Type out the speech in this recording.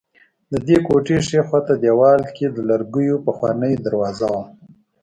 ددې کوټې ښي خوا ته دېوال کې د لرګیو پخوانۍ دروازه وه.